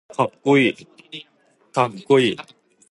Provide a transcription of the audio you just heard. There is a distinctive black blotch near the base of each pectoral fin.